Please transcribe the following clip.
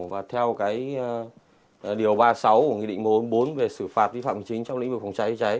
và theo cái điều ba mươi sáu của nghị định bốn về sử phạt vi phạm chính trong lĩnh vực phòng cháy chữa cháy